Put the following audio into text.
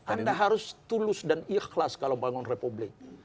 anda harus tulus dan ikhlas kalau membangun republik